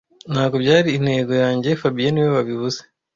Ntabwo byari intego yanjye fabien niwe wabivuze